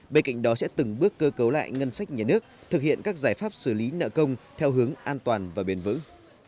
bên cạnh đó sẽ từng bước cơ cấu lại ngân sách nhà nước thực hiện các giải pháp xử lý nợ công theo hướng an toàn và bền vững